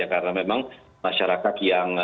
karena memang masyarakat yang